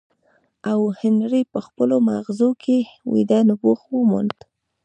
او هنري په خپلو ماغزو کې ويده نبوغ وموند.